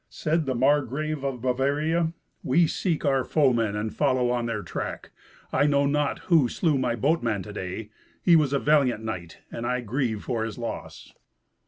Said the Margrave of Bavaria, "We seek our foemen and follow on their track. I know not who slew my boatman to day. He was a valiant knight, and I grieve for his loss."